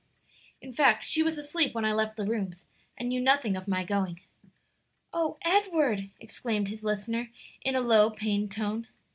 In fact, she was asleep when I left the rooms, and knew nothing of my going." "O Edward!" exclaimed his listener in a low, pained tone.